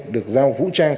được giao vũ trang